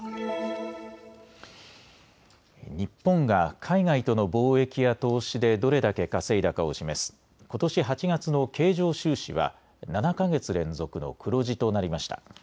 日本が海外との貿易や投資でどれだけ稼いだかを示すことし８月の経常収支は７か月連続の黒字となりました。